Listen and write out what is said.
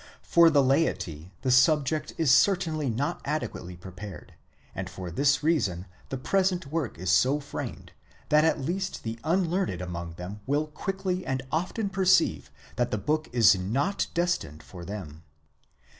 For the laity the 'subject is certainly not adequately prepared; and for this reason the present work is so framed, that at least the unlearned among them will quickly and often perceive that the book is not destined for them.